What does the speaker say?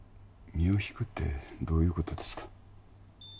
身を引くってどういうことですか？